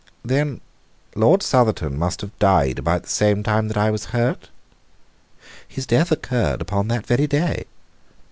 "Then Lord Southerton must have died about the same time that I was hurt?" "His death occurred upon that very day."